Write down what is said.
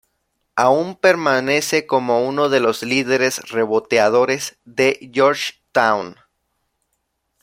Aún permanece como uno de los líderes reboteadores de Georgetown.